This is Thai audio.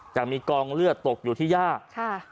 จะมีกองเลือดตกอยู่ที่ย่าค่ะ